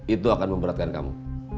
itu akan memberatkan kamu